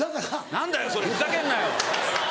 何だそれふざけんなよ。